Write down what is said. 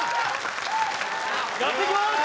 やってきます